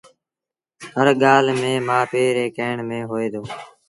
هر ڳآل ميݩ مآ پي ري ڪهيڻ ميݩ هوئي دو